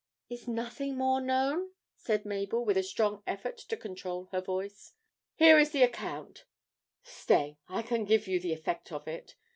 'Is nothing more known?' said Mabel, with a strong effort to control her voice. 'Here is the account stay, I can give you the effect of it.